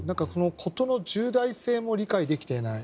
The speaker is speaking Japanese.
事の重大性も理解できていない。